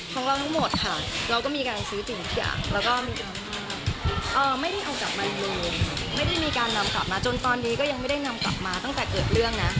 ของเราทั้งหมดค่ะเราก็มีการซื้อสิ่งทุกอย่างแล้วก็มีการไม่ได้เอากลับมาเลยไม่ได้มีการนำกลับมาจนตอนนี้ก็ยังไม่ได้นำกลับมาตั้งแต่เกิดเรื่องนะ